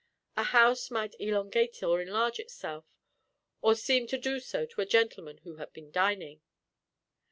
A house might elongate or enlarge itself or seem to do so to a gentleman who had been dining.